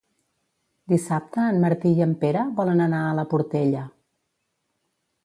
Dissabte en Martí i en Pere volen anar a la Portella.